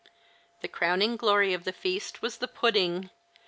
The crowning glory of the feast was the pudding.